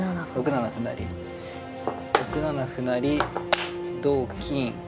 ６七歩成同金